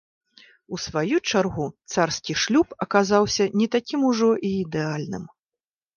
У сваю чаргу, царскі шлюб аказаўся не такім ужо і ідэальным.